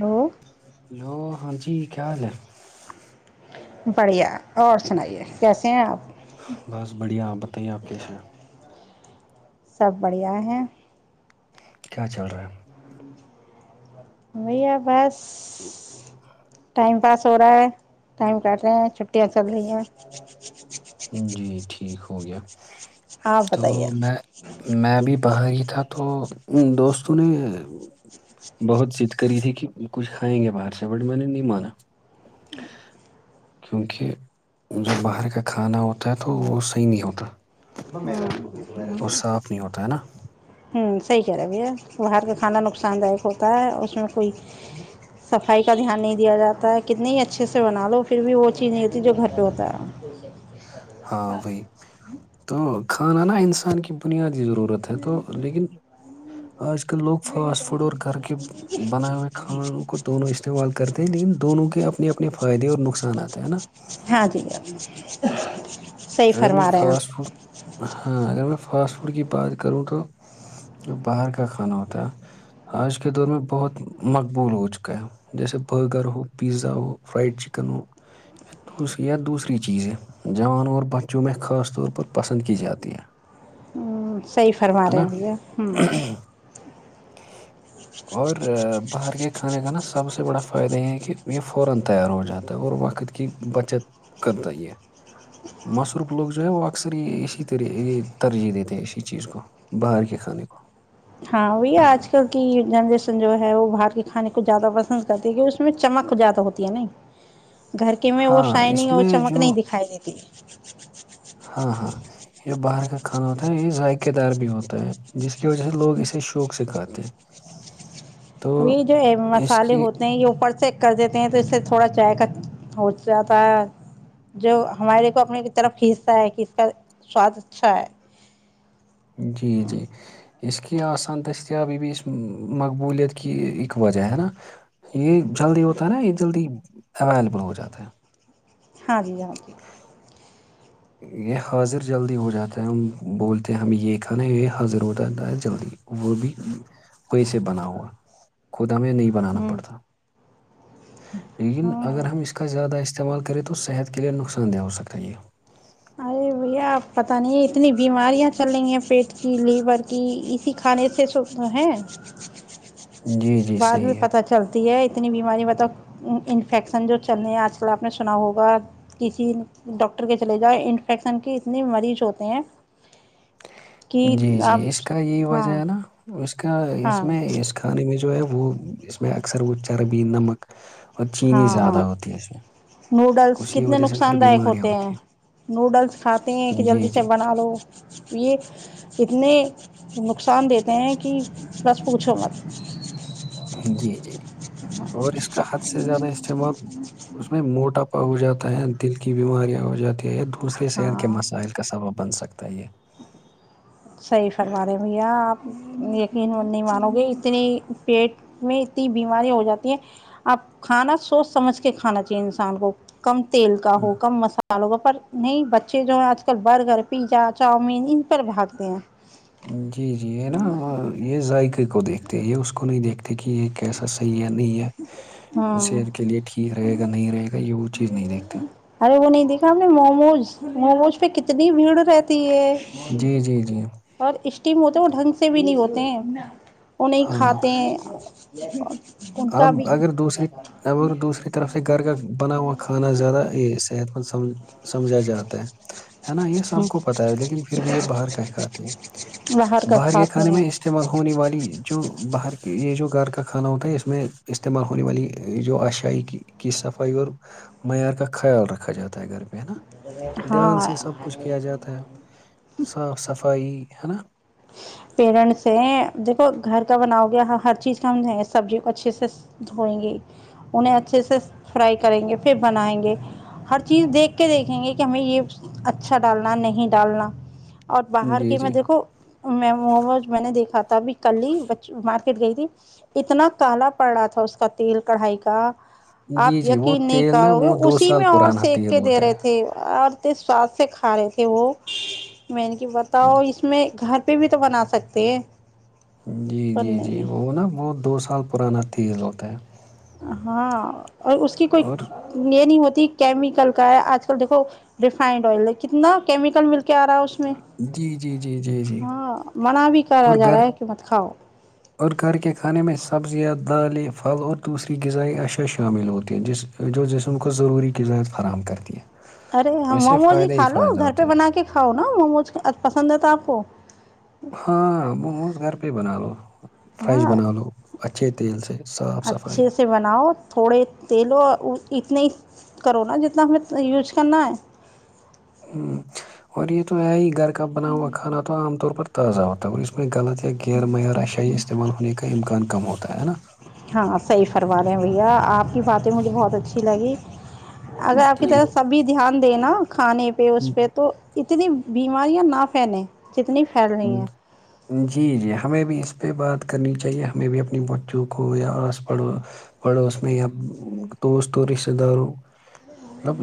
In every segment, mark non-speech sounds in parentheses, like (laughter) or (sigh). Hello hello ہاں ج کیا حال ہے بڑھیا اور سنائیے کیسے ہیں آپ بس بڑھیا آپ بتائیے آپ کیس ہیں سب بڑھیا ہیں کیا چل رہا ہے؟ بھیا بس ٹائم پاس ہو رہا ہے ٹائم کاٹ رہے ہیں چھٹیاں چل رہی ہیں جی ٹھیک ٹھیک ہو گیا آپ تو بتائیے میں میں بھی باہر ہی تھا تو دوستوں نے بہت ضد کری تھی کہ کچھ کھائیں گے باہر سے بٹ میں نے نہیں مانا کیونکہ جب باہر کا کھانا ہوتا ہے تو وہ صحیح نہیں ہوتا اور صاف نہیں ہوتا ہے نا ہوں صحیح کر رہے بھیا باہر کا کھانا نقصان داک ہوتا ہے اس میں کوئی صفائی کا دھیان نہیں دیا جاتا ہے کتنے ہی اچھے سے بنا لو پھر بھی وہ چیز نہیں ہوتی جو گھر پہ ہوتا ہے ہاں وہی تو کھانا نا انسان کی بنیاد کی ضرورت ہے تو لیکن آج کل لوگ فاسٹ فوڈ اور گھر کے بنائے ہوئے کھانوں کو دونوں استعمال کرتے ہیں لیکن دونوں کے اپنے اپنے فائدے اور ہاں ٹھیک نقصانات ہیں ہے نا بہار کی اوج عا رہی ہے اگر میں فاسٹ فوڈ ہاں اگر میں فاسٹ فوڈ کی بات کروں تو جو باہر کا کھانا ہوتا ہے آج کے دور میں بہت مقبول ہو چکا ہے جیسے برگر ہو پیزا ہو فرائڈ چکن ہویا دوس یا دوسری چیزیں جوان اورور بچوں میں خاص طور پر پسند کی جاتی ہے آپ صحیح فرما ہے رہے ہیںے ہوں نا اور باہر کے سب سے بڑا فائدہ یہ ہے کہ یہ فورا تیار ہو جاتا ہے اور وقت کی بچت کرتا ہی ہے مصروف لوگ جو ہیں وہ اکثری اسی طرح ترجیح دیتے ہیں اسی چیز کو باہر کے کھانے کو ہاں وہی آج کل کی جنریشن جو ہے وہ باہر کے کھانے کو زیادہ پسند کرتی ہے کی اس میں چمک زیادہ ہوتی ہے نہیں گھر کے میں وہ ہاں اس شائننگ اور میں چمک نہیں جو دکھائی دیتی ہاں ہاں یہ جو باہر کا کھانا ہوتا ہے یہ ذائقے دار بھی ہوتا ہے جس کی وجہ سے لوگ اسے شوق سے کھاتے ہیں تو وہ جو اس مسالے کی ہوتے ہیں یہ اوپر چیک کر دیتے ہیں تو اس سے تھوڑا چائے کا ہو جاتا ہے جو ہمارے اپنی کی طرف کھینتا ہے ک کا سواد اچھا ہے جی جی اس کی کہ آسان دستیاب یہ بھی اس مقبولیت کی اک وجہ ہے نا یہ جلدی ہوتا ہے نا یہ جلدی اویلیبل ہو جاتا ہے ہاں جی ہاں جی یہ حاضر جلدی ہو جاتا ہے ہم بولتے ہیں ہمیں یہ کھانا ہے یہ حاضر ہو جاتا ہے جلدی وہ بھی کوی سےے بنا ہوا خود ہمیں نہیں بنانا ہوں پڑتا لیکن اگر ہاں ہم اس کا زیادہ اس استعمال کرے تو صحت کے لیے نقصان دہ ہو سکتا یہ ارے بھیا آپ پت نہیں ہے اتنی بیماریاں چل رہی ہیں پیٹ کی لیور کی اسی کھانے سے س ہے جی جی بعد میں صحیح ہے پت چلتی ہے اتنی بیماری ب تک انفیکشن جو چلنے ہیں آج کل آپ نے سنا ہوگا کسی ڈاکٹر کے چلے ج انفیکشن کی اتنے مریض ہوتے ہیں کہ جی جی آپ اس کا یہی ہاں وجہ ہے نا اس اس کا ہاں اس میں اس کھانے میں جو ہے وہ اس میں اکثر وہ چربی نمک اور چینی ہاں زیادہ ہاں ہوتی ہے اس میں نوڈلس اسی کتنے وجہ سے نقصان پھر دائک بیماریاں ہوتے ہیں ہوتی نوڈلس کھاتے ہیں کہ جی جلدی سے جی بنا لو یہ اتنے نقصان دیتے ہیں کہ بس پوچھو مت جی جی اور اس اس کا حد سے زیادہ استعمال اس میں موٹا ہو جاتا ہے دل کی بیماریاں ہو جاتی یہ دوسرے صحیر کے ہاں مسائل کا سبب بن سکتے ہیں تیے صحیح فرما رہے بھیا آپ یقین نہیں مانو گے اتنی پیٹ میں اتنی بیمارییا ہو جاتی ہیں آپ کھانا سوچ سمجھ کے کھانا چاہیے انسان کو کم تیل کا ہو کم مسالوں کا پر نہیں بچے جو ہیں آج کل برگرھر پی جات چاؤمین ان پر بھاگتے ہیں جی جی یہ نا یہ ذائقے کو دیکھتے یہ اس کو نہیں دیکھتے کہ یہ کیسا صحیح ہے نہیں ہے ہاں صحت کے لیے ٹھیک رہے گا نہیں رہے گا یہ وہ چیز نہیں دیکھتے ارے وہ اس پہ کتنی بھیڑ رہتی ہے جی جی جی اور اس ہوتے ہیں وہ ڈھنگ سے بھی نہیں ہوتے ہیں ان نہیں ہاں کھاتاتے جی اب اگر دوسری ا دوسری طرف سے گھر کا بنا ہوا کھانا زیادہ یہ صحت مند سمجھ سمجھا جاتا ہے ہے نا یہ سب کو پتہ ہے لیکن پھر بھی یہ باہر کیا کھاتی ہے کا باہر کے کھانے کھاتے ہیں میں استعمال ہونے والی جو باہر کے یہ جو گھر کا ھان ہو اس میں استعمال ہونے والی جو آاشائی کی کی صفائی اور معیار کا خیال رکھا جاتا ہے گھر میں ہے نا دھیان ہاں سے سب کچھ کیا جاتا ہے صاف صفائی ہے نا پیرنٹس ہیں دیکھو گھر کا بناؤ گیا ہر چیز کا ہم سبزی کو اچھے سے دھوئیں گے انہیں اچھے سے فرائی کریں گے پھر بنائیں گے ہر چیز دیکھ کے دیکھیں گے کہ ہمیں یہ اچھا ڈالنا نہیں ڈالنا اور باہر جی کے میں جی دیکھو وہ میں نے دیکھا تھا ابھی کل ہی مارکیٹ گئی تھی اتنا کالا پڑ رہا تھا اس کا تیل کڑھائی کا جی آپ جی وہ یقین نہیں تیل کر نا رہو گے وہ دو اسی سال میں اور پرانا سینک تیل کے دے ہوتا رہے تھے اور انے سواد سے کھا رہے تھے وہ میں نے کہ بتاؤ اس میں گ بھی تو بنا سکتے ہیں جی پر جی جی نہیں وہ نا بت دو سال پرانا تھی وہ تو ہاں اور اس کی کوئی اور یہ نہیں ہوتی کیمیکل کا ہے آج کل دیکو ریفائنڈ آئل ہے کتنا کیمیکل ملتا کیا رہا اس میں جی جی جی جی جی ہاں منع بھی کرا اور جا گھر رہا ہے کہ مت کھاؤ اور گھر کے کھانے میں سبزیاں دالیں پھل اور دوسری غذائی اشیاء شامل ہوتی ہے جس جو جسم کو ضروری غذائیں فراہم کرتی ہیں ارے موموز ہی کھا لو گھر پہ ہوتا ہے بنا کے کھاؤ نا موموز پسند ہے تو آپ کو ہاں ب گھر پ بنو ہاں صاف صفائی اچھے سے بناؤ تھوڑے تیلوں اتنے ہی کرو نا جتنا ہمیں یوز کرنا ہے ہ اور یہ تو ہے ہی گھر ک بنا ہوا کھا تو عام طور پر تازہ ہوت ا وہ اس م میں غلط غیر معیارہ شاہ یہ استعمال ہونے کا امکان کم ہوا ہے نا ہاں صحیح فرما رہے ہیں بھیا آپ کی باتیں مجھے بہت اچھی لگی اگر آپ کی طرف سبھی دھیان دے نا کھانے پہ اس پہ ٹھیک تو اتنی بیماریاں نہ پھیلیں جتنی پھیل رہی ہیں جی جی ہمیں بھی اس پہ بات کرنی چاہیے ہمیں بھی اپنی بچوں کو یا آس پ پڑوس میں یا دوست اور رشتے داروں مطلب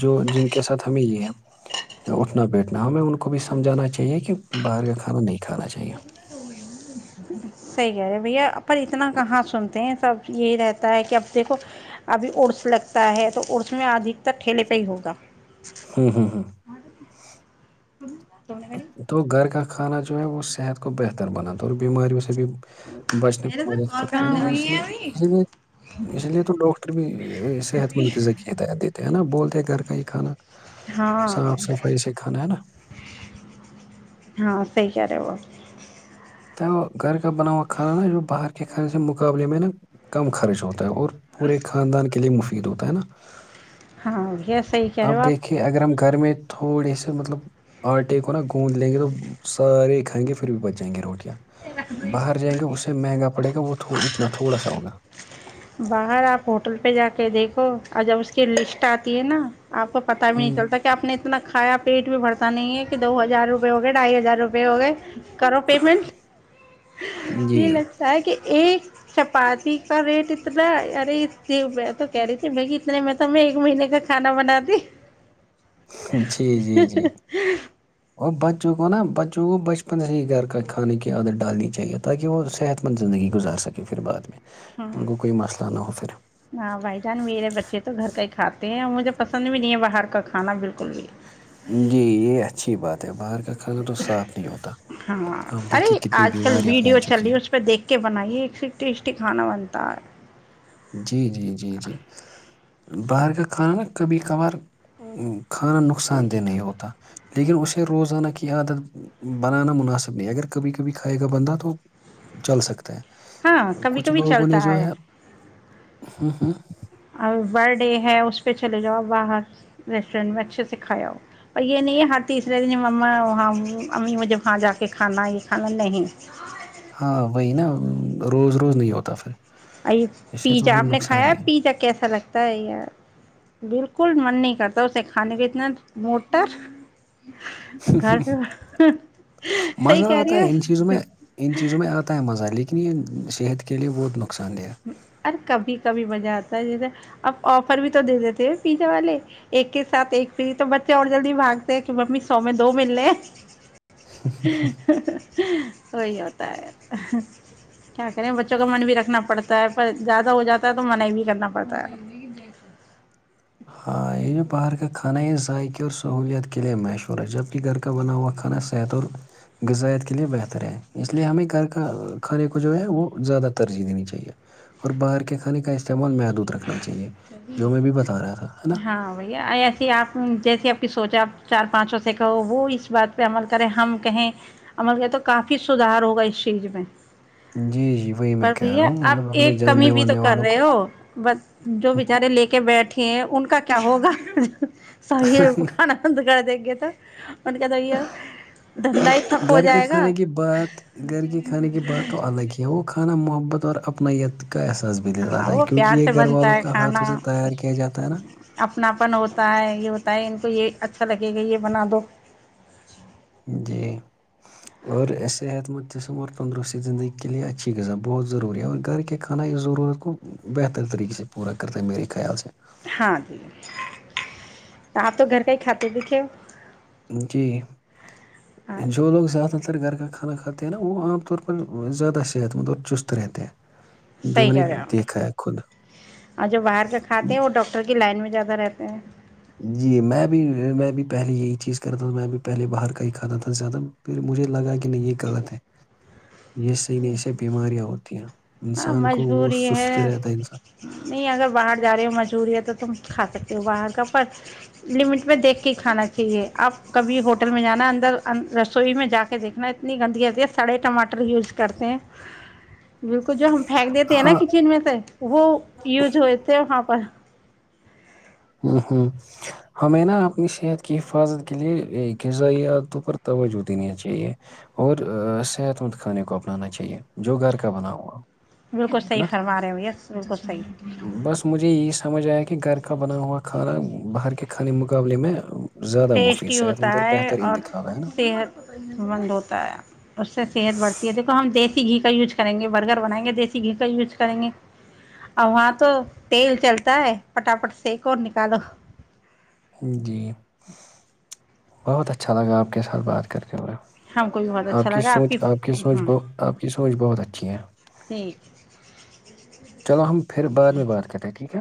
جو جن کے ساتھ ہمیں یہ ہے اٹھنا بیٹھنا ہمیں ان کو بھی سمجھانا چاہیے کہ باہر کا کھانا نہیں کھانا چاہیے سحی کہہ رہے بھیا پر اتنا کہاں سنتے ہیں سب یہی رہتا ہے کہ اب دیکھو ابھی ارس لگتا ہے تو ارس میں ادھک تر ٹھیلے پہ ہی ہوگا ہاں ہاں ہاں تو گھر کا کھانا جو ہے وہ صحت کا کو بہتر بناتا اور بیماریوں سے بھی بچنے میرے میں سے مدد کال کرتا ہے نا کرنے اس والی ہیں لیے ابھی اسی لیے اسی لیے تو ڈاکٹر بھی صحت مند ذکی ہدایت دیتے ہیں ہے نا بولتے گھر کا ہی کھانا ہاں صاف صفائی سے کھانا ہے نا ہاں سی کر رہ ہے ب گھر کا بنااوا کانا نا جو باہر کے ک خانے سے مقابلے میں نا کم خرچ ہو اور پورے خاندان کے لیے مشکل پ ر ہوتا ہے نا ہاں یہ اب دیکھے اگر ہم گھر میں تھوڑے سے مطلب آٹے کو نا گوند لیں گے تو سارے کھائیں گے پھر بھی بچائیں گے روٹیاں باہر جائیں گے اس سے مہنگا پڑے گا وہ اتنا تھوڑا سا ہوگا باہر آپ ہوٹل پہ جا کے دیکھو اور جب اس کی لسٹ آتی ہے نا آپ کو پت بھی نہیں ہ چلتا کہ آپ نے اتنا کھایا پیٹ بھی بھرتا نہیں ہے کہ دو ہزار ہزار روپئے ہو گئے ڈھائی ہزار روپئے ہو گئے کرو پیمنٹ جی یہ لگتا ہے کہ ایک چپاتی کا ریٹنا مطلب ارے ات تو کہہ رہی تھی بھائی اتنے میں تو میں ایک مہینے کا کھانا بنا دی جی جی جی اور بچوں کو نا بچوں کو بچپن سے ہی گھر کا کھانے کی عادت ڈالنی چاہیے تاکہ وہ صحت مند زندگی گزار سکے پھر بعد میں ہ ان کو کوئی مسئلہ نہ ہو پھر ہاں بھائی جان میرے بچے تو گھر کا ہی کھاتے مجھے پسند بھی نہیں ہے باہر کا کھانا بالکل بھی جی یہ اچھی بات ہے باہر کے ہاں آپ ارے دیکھیے کتنی آج کل بیماریاں پھیل ویڈیو چل چکی رہی اس پہ دیکھ کے بنائیے ایک سے ٹیسٹی کھانا بنتا ہے جی جی جی جی باہر کا کھانان نا کبھی کبھار کھانا نقصان دہ ہے نہیں ہوتا لیکن اسے روزانہ کی عادت بنانا مناسب نہیں اگر کبھی کبھی کھائے گا بندہ تو چل سکتا ہے ہاں کبھی کچھ کبھی لوگوں نے چلتا جو ہے ہوں ہوں اور بر ڈے ہے اس پہ چلے جاؤ آب باہر ریسٹورینٹ میں اچھے سے کھایا ہوؤ پر یہ نہیں ہے ہر تیسرے دن ما وہاں امی مجھے وہاں جا کے کھانا ہے یہ کھانا نہیں ہاں وہی نا روز روز نہیں ہوتا پھر ا اس سے تو پیزا پھر آپ نے نقصان کھایا ہی ہے۔ پیزا کیسا لگتا ہے یار بالکل من نہیں تو سے کھانے بھی اتنا مو کتر (unintelligible) صحیح مزہ کہہ آتا رہی ہو ہے ان چیزوں میں ان چیزوں میں آتا ہے مزہ لیکن اتنی صحت کے لیے بہت نق اورر کبھی کبھی بجہات اب آفر بھی تو دے دیتے ہیں پیزا والے ایک کے ساتھ ایک پی تو بچے اور جلدی بھاگتے کہ ممی سو میں دو مل لے سہی وہی ہوتا ہے کیا کریں بچوں کا من بھی رکھنا پڑتا ہوتا پر زیادہ ہو جاتا ہے تو منع بھی کرنا پڑتا ہے ہاں یہ جو باہر کا کھانا یہ ذائقے اور سہوولت کے لے مشہور ہے جبکہ گھر کا بنا ہوا کھانا صحت اور غذائیت کے لئے بہتر ہے اس لیے ہمیں گھر کا کھانے کو جو ہے وہ زیادہ ترجیح دینی چاہیے اور باہر کے کھانے کا استعمال م دھ رکھنا چاہیے جو میں بھی بتا رہا ہے نا ہاں بھیا ایسے آپ جیسے آپ کی سوچ آپ چار پانچوں سے کہو وہ اس بات پہ عمل کریں ہم کہیں عمل کریں تو کافی سدھار ہوگا اس چیز میں جی جی وہی میں پر کہہ رہا بھیا ہوں مطلب اپنے جاننے والاننے والوں کو ب جو بیچارے لے کے بیٹھ کہ ان کا کیا ہوگا سو آانند کر د تو ان کے دو یہ یہ اور گھر کے کھانے کی بات گھر کے کھانے کی بات تو الگ ہی ہے وہ کھانا محبت طار اپنت ہاں وہ پیار سے بنتا ہے کا کھانا ہاتھوں سے تیار کیا جاتا ہے نا اپناپن ہوتا ہے یہ ہوتا ہے ان کو یہ اچھا لگے گا یہ بنا دو جی اور صحت مند قسم اور تندرستی زندگی کے لے اچھی غذا بہت ضروری ہے اور گھر کے کھانا اس ضرورت کو بہتر طریقے سے پورا کرتا ہے میرے خیال سے ہاں جی آپ تو گھر کا ہی کھاتے د تھے ہو جی جو لوگ زیاد بتر گھر کا کھانا کھاتے ہیں نا وہ عام طور پر زیادہ صحت مند اور چست رہتے ہیں جو صحیح میں نے کیا گا دیکھا ہے خود اور جو باہر کے کھاتے ہیں وہ ڈاکٹر کی لائن میں زیادہ رہتے ہیں جی میں بھی میں بھی پہلے یہی چیز کرا تھا میں بھی پہلے باہر کا ہی کھاتا تھا زیادہ پھر مجھے لگا کہ نہیں یہ غلط ہے یہی س نی اس بیماریا آت ت (inaudible) ہاں مجبوری ہے انسان نہیں اگر باہر جا رہے ہو مجبوری ہے تو تم کھا سکتے ہو باہر کا پر لمٹ میں دیکھ کے ہی کھانا چاہیے آپ کبھی ہوٹل میں جانا اندر رسوئی میں جا کے دیکھنا اتنی گندگی ہے سڑے ٹماٹر یوز کرتے ہیں کو جو ہم پھینک دیتے ہیں نا ہاں کچن میں سے وہ یوز ہوئے تھے وہاں پر ہ ہوں ہمیں نا اپنی صحت کی حفاظت کے لیے غذائیت پر توجہ دینی چاہیے اور صحت مند کھانے کو اپنانا چاہیے جو گھر کا بنا ہوا بالکل ہے صحی نا فرما رہے ہو یس بالکل صحی بس مجھے یہی سمجھ آیا کہ گھر کاب بنا ہوا کھانہ بہر کے خانے مقابلے میں زیادہ مفید ٹیسٹی صحت ہوتا مند اور ہے بہتر اور انتخاب ہے نا صحت مند ہوتا ہے اس سے صحت بڑھتی ہے دیکھو ہم دیکھ دیسی گھی کا یوز کریں گے برگر بنائیں گے دیسی گھی کا یوز کریں گے اور وہاں تو تیل چلتا ہے پٹاپٹ سیک اور نکالو جی بہت اچھا لگا آپ کے ساتھ بات کریں ہم کو بھی بہت آپ اچھا کی لگا سوچ آپ کی سوچ ہاں ب آپ کی سوچ بہت اچھی ہے ٹھیک چلو ہم پھر بعد میں بات کر رہے ہیں ٹھیک ہے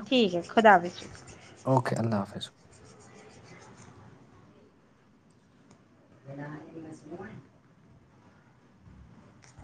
اوکے اللہ حافظ س